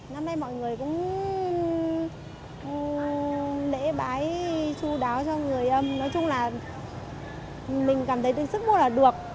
năm nay mọi người cũng lễ bái chú đáo cho người âm nói chung là mình cảm thấy sức mua là được